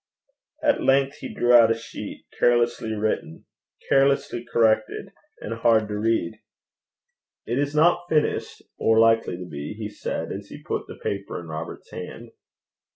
At length he drew out a sheet, carelessly written, carelessly corrected, and hard to read. 'It is not finished, or likely to be,' he said, as he put the paper in Robert's hand.